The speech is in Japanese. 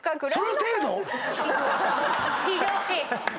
ひどい！